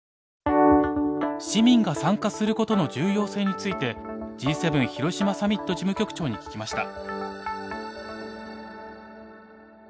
市民が参加することの重要性についてＧ７広島サミット事務局長に聞きました。